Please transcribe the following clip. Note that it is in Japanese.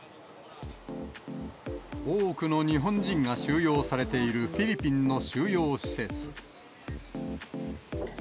多くの日本人が収容されている、フィリピンの収容施設。